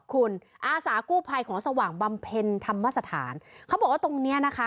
คุณอาสากู้ภัยของสว่างบำเพ็ญธรรมสถานเขาบอกว่าตรงเนี้ยนะคะ